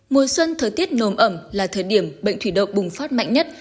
mùa xuân thời tiết nồm ẩm là thời điểm bệnh thủy đậu bùng phát mạnh nhất